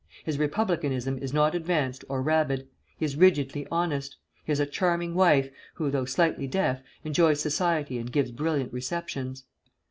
His republicanism is not advanced or rabid. He is rigidly honest. He has a charming wife, who, though slightly deaf, enjoys society and gives brilliant receptions.